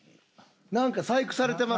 なんか細工されてます。